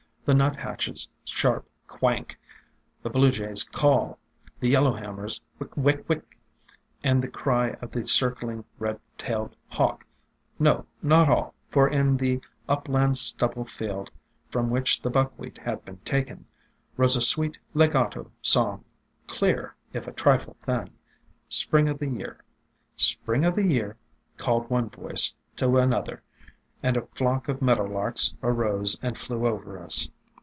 The nuthatch's sharp quank, the blue jay's call, the yellow hammer's wick wick wick, and the cry of the circling red tailed hawk, — no, not all, for in the upland stubble field from which the buckwheat had been taken, rose a sweet legato song, clear, if a trifle thin. Spring o' the year, Spring o' the year, called one voice to another, and a flock of meadow larks arose and flew over us.